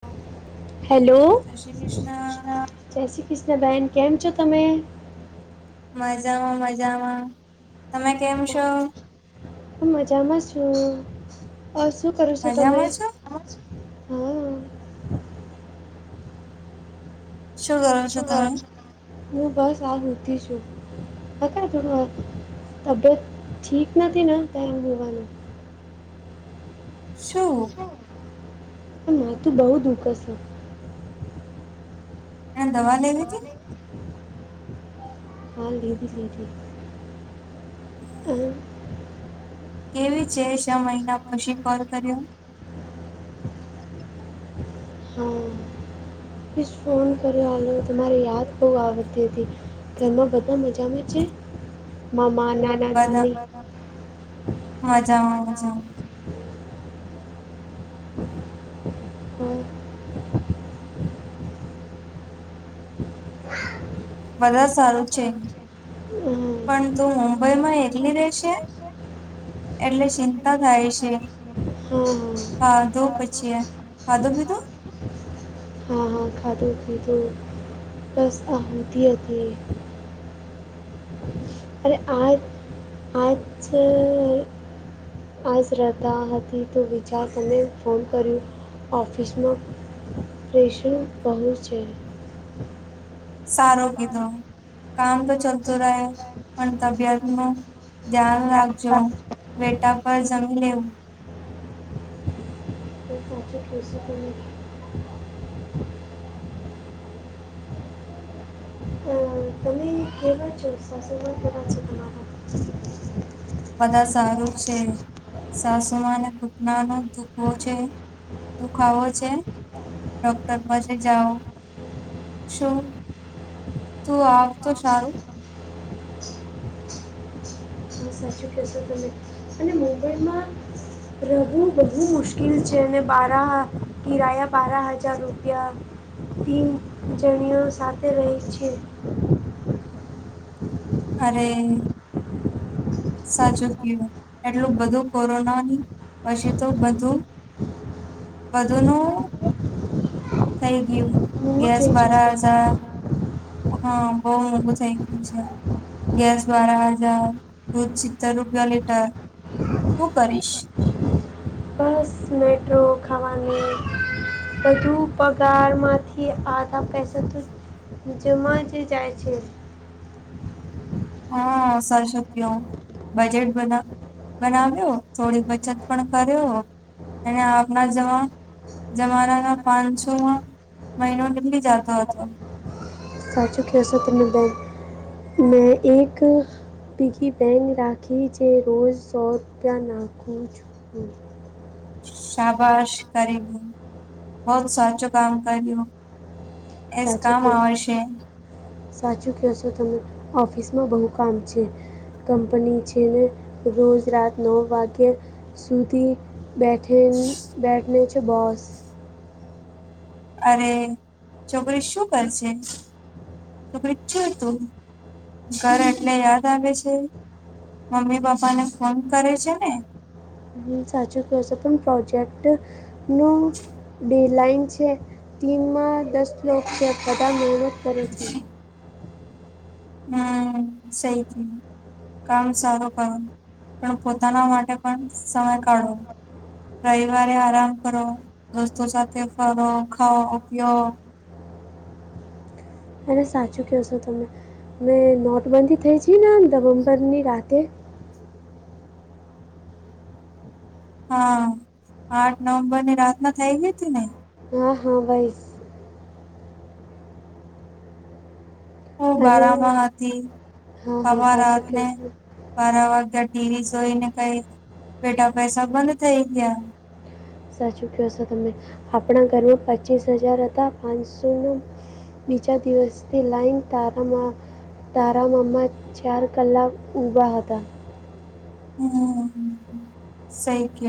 હા. હેલો જય શ્રી કૃષ્ણ બેન કેમ છો તમે? મજામાં, મજામાં તમે કેમ છો. હું મજામાં છું શું કરું છો તમે. મજામાં છો હા શું કરો છો, હું બસ આ હુંતી છું. હ ક થોડું તબિયત ઠીક નથી ને ત્યા હોવાનું. શું. પણ માથુ બહુ દુઃખે છે. એ દવા લેવી છે હાલ લીધી છે કે. હમ. કેવી છે છ મહિના પછી કોલ કર્યો. હા પ્લીઝ ફોન કર્યો હાલો તમારી યાદ બહુ આવતી હતી. ઘરમાં બધા મજામાં છે મામા ના બધા મજામાં, મજામાં. હા. [inaudible] બધુ સારું છે હમ પણ તું મુંબઈમાં એકલી મુંબઈ રહેશે એટલી. એટલે ચિંતા થાય છે હા હા હા ધો પછી. હધ ભીધું. હા હા ખાધું પીધું. બસ આતી હતી હ. અરે આજ આજે. આજ રતા હતી તો વિચાર તને ફોન કર્યો. ઓફિસમાં પ્રેશન બહુ છે. સારો કીધું કામ તો ચાલતું રહ પણ તબિયત નુ. ધ્યાન રાખજો વેટા પર જમી લે વું. સાચી પસ કરે તમે કેવા છો સાસવા કરા છો તમારા બધા સારું છે સાસુમાં અને ઘૂટના નો ધુખવો છે. દુખાવો છે ડોક્ટર પાસે જાઓ. શું તું આવ તો સારું હા સાચું કહેશો તમે અને મુંબઈમાં. રહેવું બહુ મુશ્કેલ છે ને બાર કિરાયા બારા હજાર રૂપિયા થીમ જણીઓ સાથે રહી છે. અરે. સાચું કું એટલું બધું કોરોનાની પછી તો બધું. વધુ નું. થઈ ગયું મોંઘું ગેસ થઈ બરા જશે હઝાર હા બહુ મોંઘું થઇ ગયું છે ગેસ દ્વારાા જાવ તું ચિત્તેર રૂપિયા લેટર હું કરીશ સ્નેટો ખાવાની બધું પગાર માંથી આધા પૈસા તો જેમાં જે જાય છે. હા સર શક બજેટ બધ બનાવ્યો થોડી બચત પણ કર્યો અને આવના જવા જમાના ના પાંચસોમાં મહિનો નીકળી જતો હતો. સાત શ ખ સત્યનદન મે એક પીગીબેન રાખી જે રોજ સો રૂપિયા નાખું છું. શાબાશ કરી હ બહત સાચું કામ કરી્યું. સાચું કીધુ. સાચું કહશો તમે ઓફિસમાં બહુ કામ છે. કંપની જેને રોજ રાત નવ વાગ્યા સુધી બેઠે બેઠને છે બોસ અરે છોકરી શું કરશે છોકરી ક તું ઘર એટલે યાદ આવે છે મમ્મી પપ્પા ને ફોન કરે છે ને. હ સાચું કો છે પણ પ્રોજેક્ટ નું ડે લાઇન છે ટીનમાં દસ લો છે બધા માણ કરે છે. હમ્મ સઈ થી. કામ સારું કરું પણ પોતાના માટે પણ સમય કાઢો રવિવારે આરામ કરો દોસ્તો સાથે ફરો ખાઓ પિયો અને સાચું ક્યો છો તમે મેં નોટબંધી થઈ છી ને નવમ્બરની રાતે હા આઠ નવમ્બર ની રાત ના થઈ ગઈ તી ને હા હા ભાઈ હુ અને બરામા હતી હા હા અમા સાચું કહો રાતને છો બારા વાગ્યા ટીવી જોઈ ને કઈ બેટા પૈસા બંધ થઇ ગયા. સાચું ક્યો છો તમે આપણા ઘરમાં પચીસ હજાર હતા પાંચસોનો બીજા દિવસથી લાઈન તારામાં તારા મમ્મા ચાર કલાક ઊભા હતા. હમ્મ સઈ કે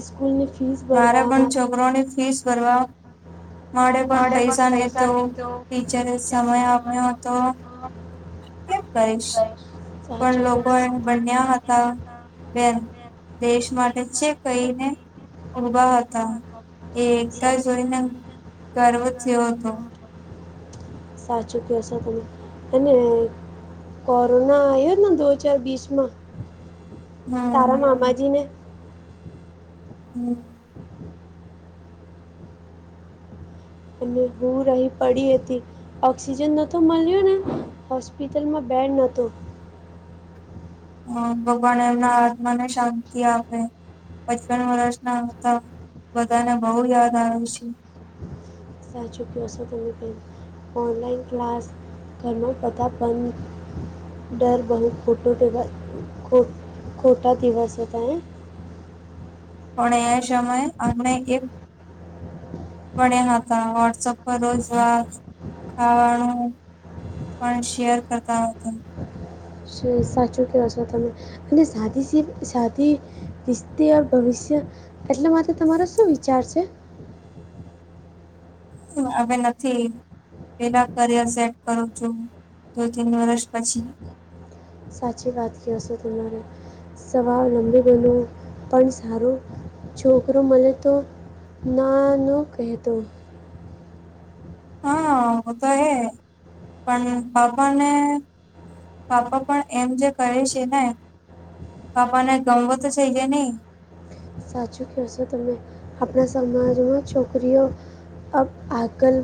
સ્કૂલની ફીસ મારા પણ ભરવામાં છોકરોની ફીસ ભરવા માડે પણ પૈસા ને તો ટીચરે સમય આપ્યો હતો. ઓફ કેમ કરીશ પણ લોકો એ બન્યા હતા. બેન દેશ માટે છે કઈને ઉભા હતા એ સા એકતા જોઈને ગર્વ થ્યો હતો. [inaudible] સાચું ક્યો છો તમે અને કોરોના આયો ને દો હજાર બિસ માં તારા હમ મામાજી ને હમ્મ. અને હું રહી પડી હતી. ઓક્સિજન નતો મળ્યો ને હોસ્પિટલમાં બેડ નતો અ ભગવાન એમના આત્મા ને શાંત તિ આપે પચપન વર્ષનાતા બધાને બહુ યાદ આવે છે. સાચું કયો છો તમે બેન ઓનલાઈન ક્લાસ ઘરમાં બતા બંધ ડર બહુ ખટો કેવાય ખોટા તીવાસ હોતા હૈ. પણ એ સમયે અમણે કેમ મળ્યા હતા વોટ્સઅપ પર રોજ વાત ખાવાનું નુ પણ શેયર કરતા હતા. સુ સાચું કયો છો તમે અને સાધિસિવ સાધિ [unintelligible] વિસ્તી ભવિષ્ય એટલે માટે તમારો શું વિચાર છે. હવે નથી. પેલા કરિયર સેટ કરું છું દો તન વર્ષ પછી. સાચી વાત કયો છો તમારે સવાર લંબુ બનવું પણ સારું. છોકરો મળે તો ના ન કહેતો હા નો તો એ પણ બાપાને પાપા પણ એમ જે કરે છે ને પાપા ને ગમવો તો [unintelligible] છે નહી સાચું કયો છો તમે આપણા સમાજમાં છોકરીઓ અબ આગળ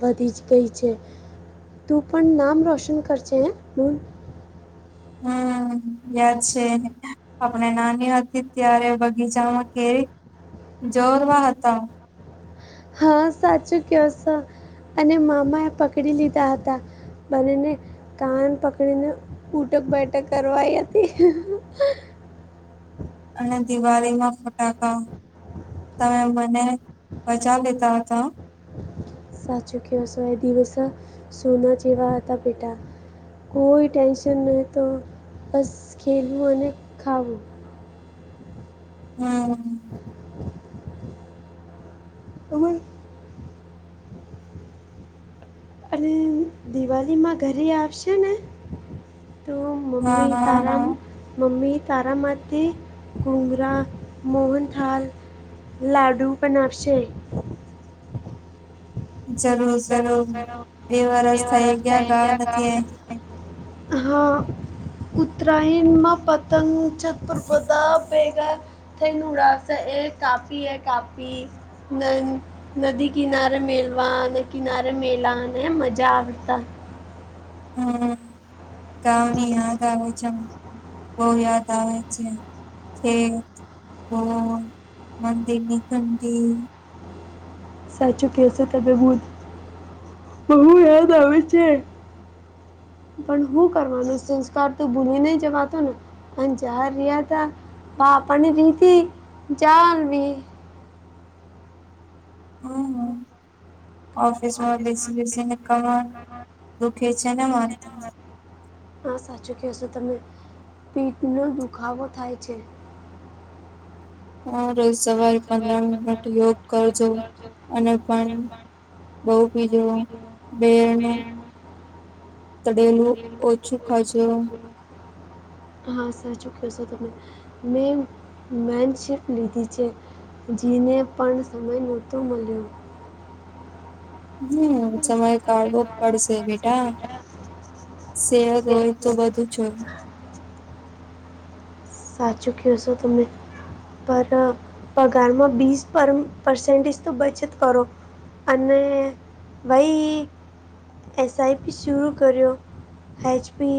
વધી જ ગઈ છે. તું પણ નામ રોશન કરશે હે બૂન હમ્મ યાદ છે. આપણે નાની હતી ત્યારે બગીચામાં કેરી જોરવા હતા. હા સાચું કયો સો અને મામાએ પકડી લીધા હતા. બંને ને. કાન પકડીને ઉઠક-બેઠક કરાવવામાં આવી હતી અને દિવાળીમાં ફટાકડા તમે મને બચાવી લીધો હતો સાચું કહો, એ દિવસો સોના જેવા હતા બેટા કોઈ ટેન્શન નહીં, તો બસ રમવું અને ખાવું હમ હવે અન દિવાલી માં ઘરે આવશે ને? તો હા મમ્મી હા તારા મમ્મી તારા માટે ઘુંઘરા, મોહન થાલ લાડુ પણ આપશે જરૂર. જરૂર જરૂર બે વરસ થઈ ગયા ગાવ નથી. હા ઉતરાયણમાં પતંગ ચ. પણ બધા ભેગા થઈ ને ઉડાવશે એ કાફી એ કાફી નન નદી કિનારે મેલવા અને કિનારે મેલાને મજા આવતા હમ ગાંવ ની યાદ આવે છેમ. બહુ યાદ આવે છે છે. બહુ મંદી ની તંગી સાચું કેશો તમે બુન બહુ યાદ આવે છે. પણ હું કરવાનો સંસ્કાર તો ભૂલી નઈ જવાતું ને. પણ જ્યાં રહ્યા તા આપણને રીતી [unintelligible] હમ્મ ઓફિસ માં બેસી બેસીને કમર દુખે છે, ને મારી તો હા, સાચું કેસો તમે પીઠ નો દુખાવો થાય છે. હા રોજ એક સવારે સવાલ પંદર પર મિનિટ યોગ કરજો [unintelligible] બઉ બીજું બેનું તડેલુ ઓછું ખાજો. હા સાચું ક્યોસો તમે. મેં મેનશિફ્ટ લીધી છે જીને પણ સમય નહોતો મલ્યો. હમ્મ સમય કાઢવો પડશે બેટા. સેહત હોય તો બધું જ હોય. સાચું કયો શો તમે. પર પગારમાં બીસ પરમ પરસેન્ટેજ તો બચત કરો અને વઈ એસ આઈ પી શુરૂ કર્યો એચ પી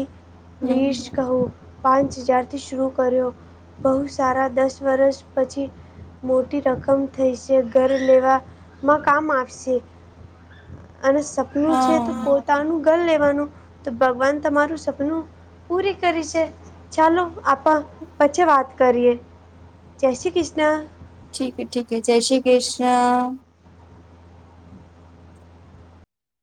હમ વીશ કહું. પાંચ હજાર થી શુરૂ કર્યો, બહુ સારા દસ વર્ષ પછી મોટી રકમ થઈ છે ઘર લેવા માં કામ આવશે. અને સપનું છે હા તો પો તાનું ઘર લેવાનું તો ભગવાન તમારું સપનું પૂરી કરી શે. ચાલો, આપા પછી વાત કરીએ, જય શ્રી કૃષ્ણ. ઠીક ઠીક હે, જય શ્રી કૃષ્ણ.